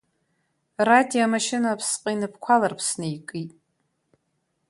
Рати амашьына аԥсҟы инапқәа аларԥсны икит.